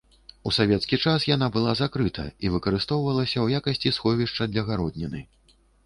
У савецкі час яна была закрыта і выкарыстоўвалася ў якасці сховішча для гародніны.